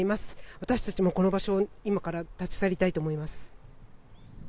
私たちもこの場所を今から立ち去りたいと思います。